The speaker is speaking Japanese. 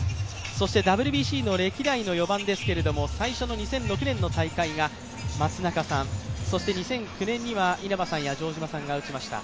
そしてＷＢＣの歴代の４番ですけれども最初の２００６年の大会が松中さん、２００９年には稲葉さんが城島さんが打ちました。